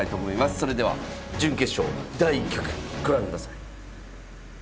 それでは準決勝第１局ご覧ください。